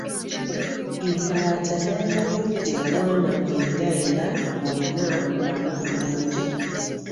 Embaata yayaludde obwana mwenda era bwonna bulamu bulungi.